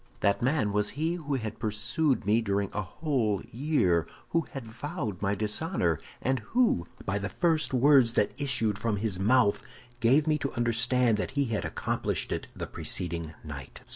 "That man was he who had pursued me during a whole year, who had vowed my dishonor, and who, by the first words that issued from his mouth, gave me to understand he had accomplished it the preceding night."